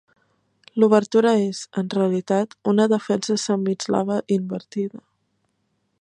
L'obertura és, en realitat, una defensa semieslava invertida.